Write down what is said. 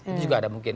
itu juga ada mungkin